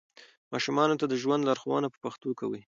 ماشومانو ته د ژوند لارښوونه په پښتو کوئ.